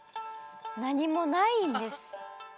何もないんです。